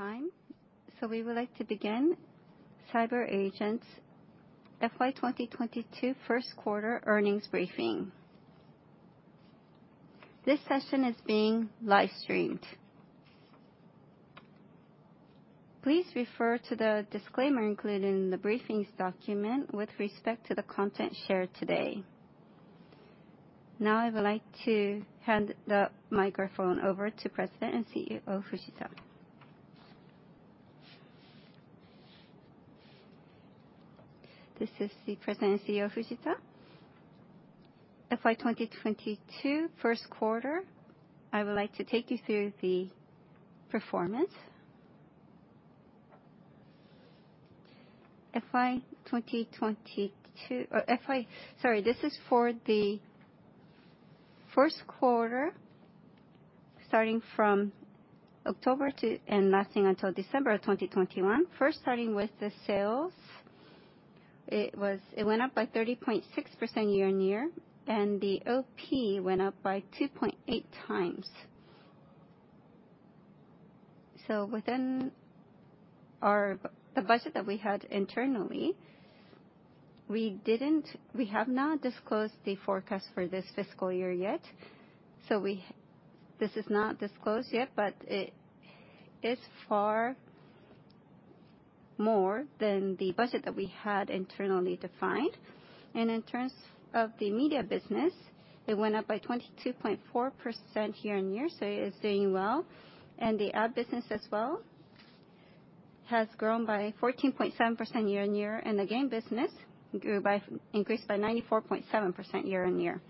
At this time. We would like to begin CyberAgent's FY 2022 First Quarter Earnings Briefing. This session is being live streamed. Please refer to the disclaimer included in the briefing document with respect to the content shared today. Now I would like to hand the microphone over to President and CEO Fujita. This is President and CEO Fujita. FY 2022 first quarter, I would like to take you through the performance. This is for the first quarter starting from October to December of 2021. Starting with the sales, it went up by 30.6% year-on-year and the OP went up by 2.8 times. Within our budget that we had internally, we have not disclosed the forecast for this fiscal year yet, so this is not disclosed yet, but it is far more than the budget that we had internally defined. In terms of the media business, it went up by 22.4% year-over-year, so it is doing well. The ad business as well has grown by 14.7% year-over-year. The game business increased by 94.7% year-over-year.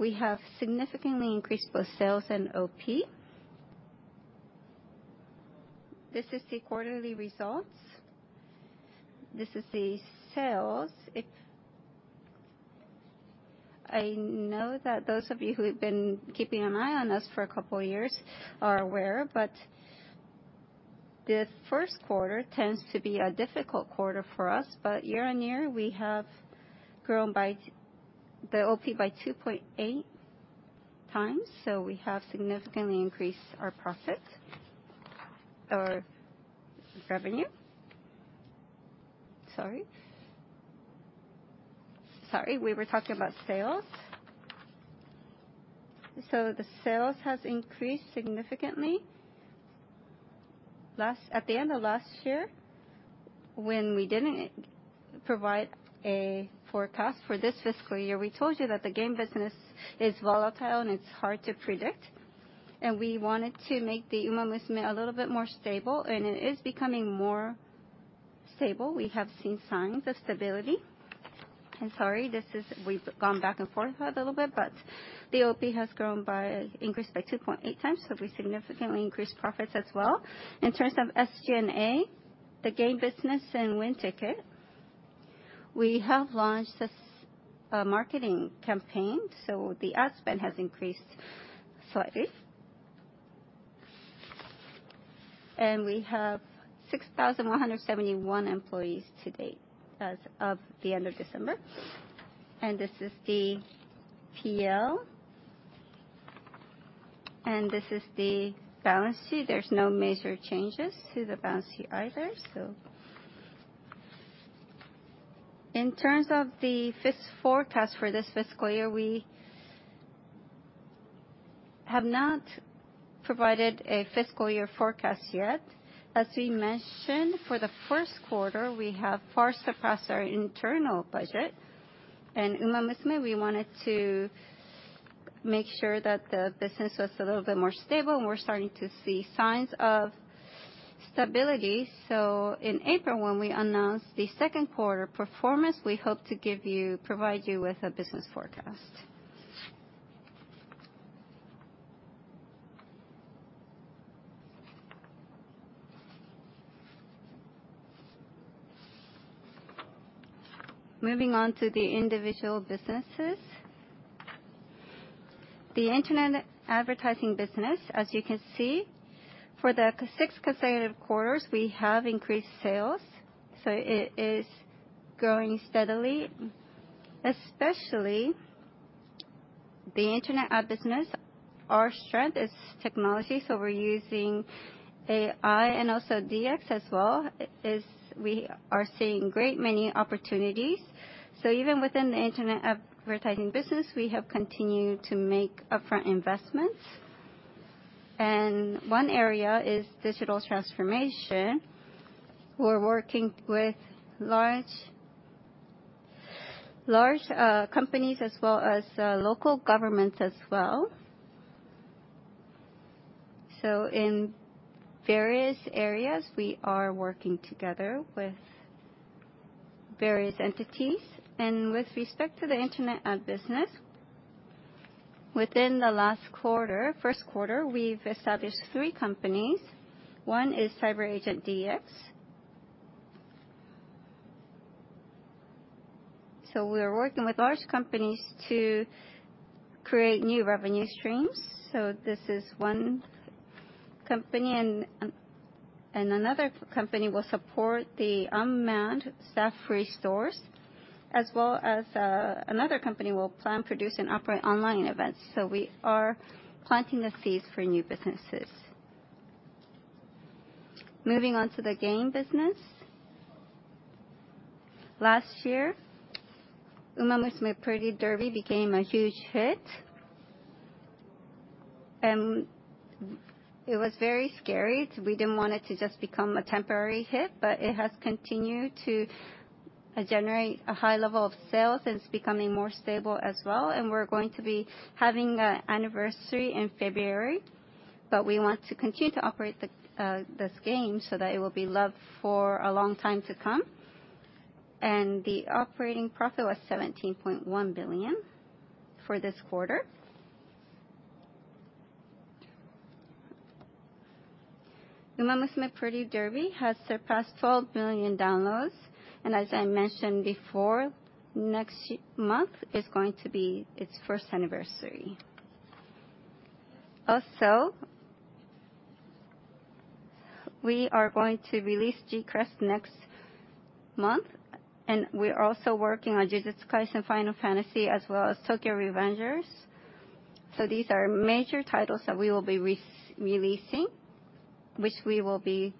We have significantly increased both sales and OP. This is the quarterly results. This is the sales. I know that those of you who have been keeping an eye on us for a couple years are aware, but the first quarter tends to be a difficult quarter for us, but year-on-year we have grown by the OP by 2.8 times, so we have significantly increased our profit, our revenue. Sorry, we were talking about sales. The sales has increased significantly. Last, at the end of last year, when we didn't provide a forecast for this fiscal year, we told you that the game business is volatile and it's hard to predict, and we wanted to make the Uma Musume a little bit more stable, and it is becoming more stable. We have seen signs of stability. I'm sorry, this is, we've gone back and forth a little bit, but the OP has grown by, increased by 2.8 times, so we significantly increased profits as well. In terms of SG&A, the game business and WINTICKET, we have launched a marketing campaign, so the ad spend has increased slightly. We have 6,171 employees to date as of the end of December. This is the PL. This is the balance sheet. There's no major changes to the balance sheet either, so. In terms of the forecast for this fiscal year, we have not provided a fiscal year forecast yet. As we mentioned, for the first quarter, we have far surpassed our internal budget. In Uma Musume we wanted to make sure that the business was a little bit more stable, and we're starting to see signs of stability. In April, when we announce the second quarter performance, we hope to give you, provide you with a business forecast. Moving on to the individual businesses. The internet advertising business, as you can see, for the sixth consecutive quarters we have increased sales, so it is growing steadily, especially the internet ad business. Our strength is technology, so we're using AI and also DX as well, is we are seeing great many opportunities. Even within the internet advertising business, we have continued to make upfront investments. One area is digital transformation. We're working with large companies as well as local government as well. In various areas we are working together with various entities. With respect to the internet ad business, within the last quarter, first quarter, we've established three companies. One is CyberAgent DX. We're working with large companies to create new revenue streams, so this is one company and another company will support the unmanned staff-free stores, as well as another company will plan, produce, and operate online events. We are planting the seeds for new businesses. Moving on to the game business. Last year, Umamusume: Pretty Derby became a huge hit. It was very scary. We didn't want it to just become a temporary hit, but it has continued to generate a high level of sales, and it's becoming more stable as well. We're going to be having anniversary in February, but we want to continue to operate the this game so that it will be loved for a long time to come. The operating profit was 17.1 billion for this quarter. Umamusume: Pretty Derby has surpassed 12 billion downloads. As I mentioned before, next month is going to be its first anniversary. Also, we are going to release GCREST next month, and we're also working on Jujutsu Kaisen Phantom Parade, as well as Tokyo Revengers. These are major titles that we will be re-releasing, which we will be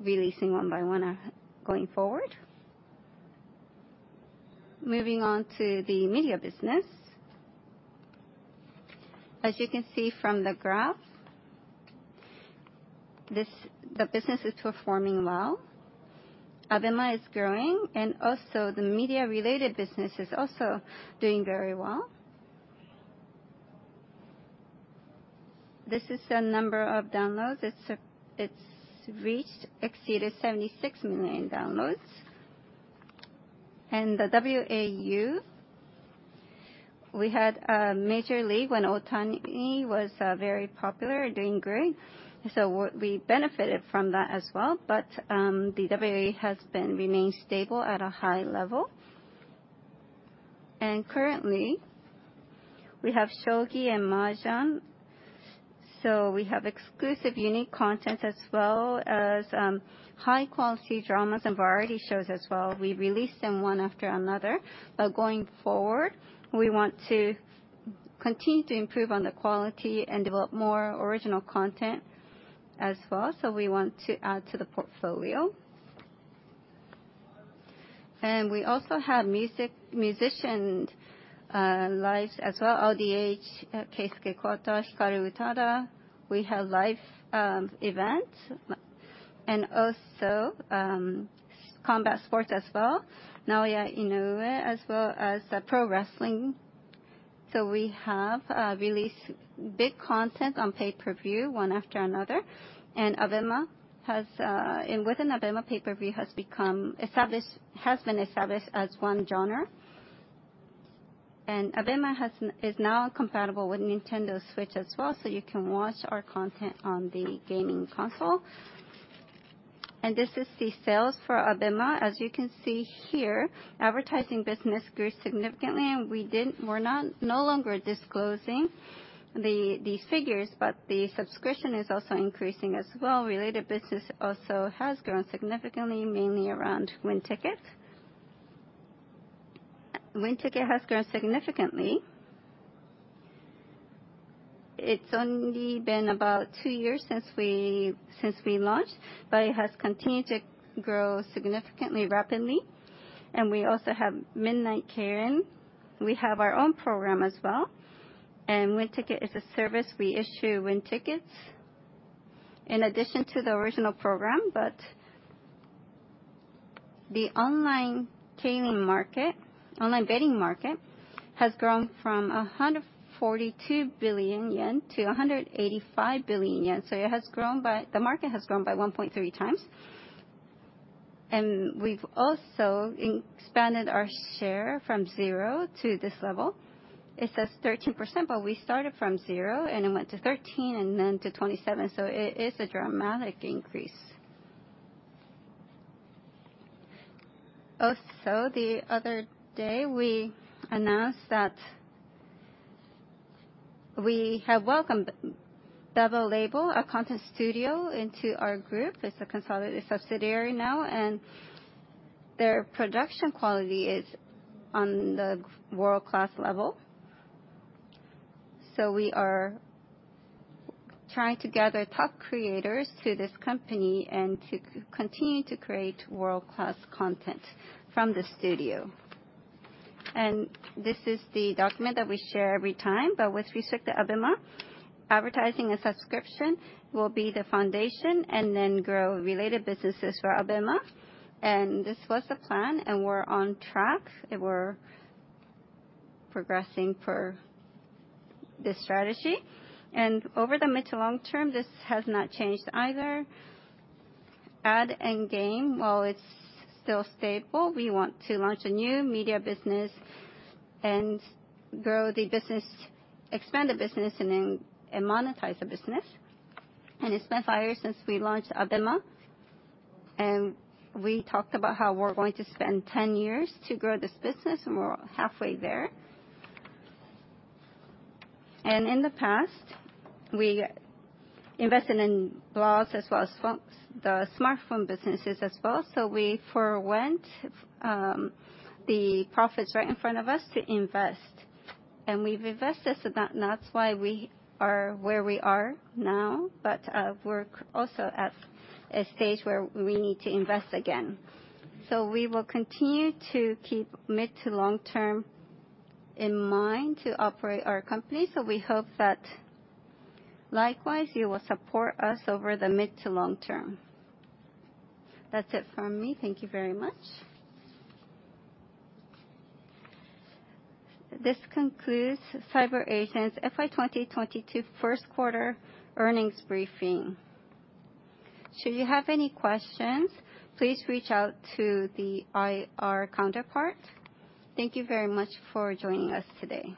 releasing one by one, going forward. Moving on to the media business. As you can see from the graph, the business is performing well. ABEMA is growing, and also the media-related business is also doing very well. This is the number of downloads. It's exceeded 76 million downloads. The WAU, we had a Major League when Ohtani was very popular, doing great, so we benefited from that as well. The WAU has been remained stable at a high level. Currently, we have shogi and mahjong, so we have exclusive unique content as well as high-quality dramas and variety shows as well. We release them one after another. Going forward, we want to continue to improve on the quality and develop more original content as well. We want to add to the portfolio. We also have music, musician lives as well. LDH, Keisuke Kuwata, Hikaru Utada. We have live events, and also combat sports as well. Naoya Inoue, as well as pro wrestling. We have released big content on pay-per-view one after another. ABEMA has, and within ABEMA, pay-per-view has been established as one genre. ABEMA is now compatible with Nintendo Switch as well, so you can watch our content on the gaming console. This is the sales for ABEMA. As you can see here, advertising business grew significantly and we're no longer disclosing the figures, but the subscription is also increasing as well. Related business also has grown significantly, mainly around WINTICKET. WINTICKET has grown significantly. It's only been about two years since we launched, but it has continued to grow significantly rapidly. We also have Midnight Keirin. We have our own program as well. WINTICKET is a service we issue win tickets in addition to the original program. The online gaming market, online betting market, has grown from 142 billion yen to 185 billion yen. It has grown by, the market has grown by 1.3 times. We've also expanded our share from zero to this level. It says 13%, but we started from zero, and it went to 13, and then to 27. It is a dramatic increase. Also, the other day, we announced that we have welcomed BABEL LABEL, a content studio, into our group. It's a consolidated subsidiary now, and their production quality is on the world-class level. We are trying to gather top creators to this company and to continue to create world-class content from the studio. This is the document that we share every time. With respect to ABEMA, advertising and subscription will be the foundation, and then grow related businesses for ABEMA. This was the plan, and we're on track, and we're progressing per this strategy. Over the mid to long term, this has not changed either. Ad and game, while it's still stable, we want to launch a new media business and grow the business, expand the business, and then monetize the business. It's been five years since we launched ABEMA, and we talked about how we're going to spend ten years to grow this business, and we're halfway there. In the past, we invested in blogs as well as the smartphone businesses as well. We forewent the profits right in front of us to invest. We've invested, so that's why we are where we are now. We're also at a stage where we need to invest again. We will continue to keep mid to long term in mind to operate our company. We hope that likewise, you will support us over the mid to long term. That's it from me. Thank you very much. This concludes CyberAgent's FY 2022 first quarter earnings briefing. Should you have any questions, please reach out to the IR counterpart. Thank you very much for joining us today.